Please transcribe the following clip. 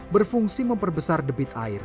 berfungsi memperbesar debit air